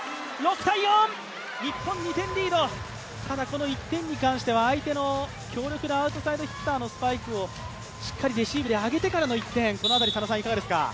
この１点に関しては相手の強力なアウトサイドヒッターをしっかりレシーブで上げてからの１点、この辺りどうですか？